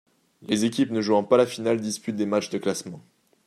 Les équipes ne jouant pas la finale disputent des matchs de classement.